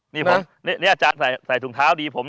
เนี่ยจานใส่ถุงเท้าดีผม